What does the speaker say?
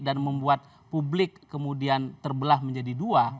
dan membuat publik kemudian terbelah menjadi dua